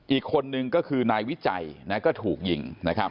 อีกคนนึงก็คือนายวิจัยก็ถูกยิง